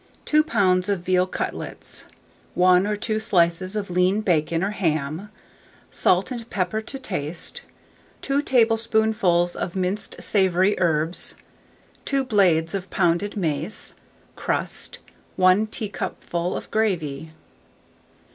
2 lbs. of veal cutlets, 1 or 2 slices of lean bacon or ham, pepper and salt to taste, 2 tablespoonfuls of minced savoury herbs, 2 blades of pounded mace, crust, 1 teacupful of gravy.